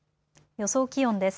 予想気温です。